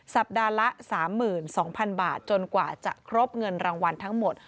สัปดาห์ละ๓๒๐๐๐บาทจนกว่าจะครบเงินรางวัลทั้งหมด